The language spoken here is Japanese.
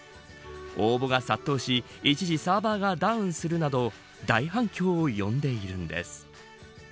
応募が殺到し一時サーバーがダウンするなど大反響を呼んでいるんです。